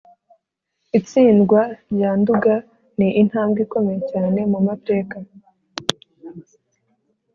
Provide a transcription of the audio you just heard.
- itsindwa rya nduga ni intambwe ikomeye cyane mu mateka